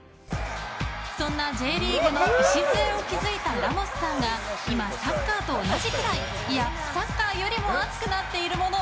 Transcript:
そんなＪリーグの礎を築いたラモスさんが今、サッカーと同じくらいいや、サッカーよりも熱くなっているもの。